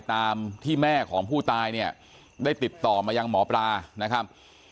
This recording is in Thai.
ตามที่แม่ของผู้ตายเนี่ยได้ติดต่อมายังหมอปลานะครับ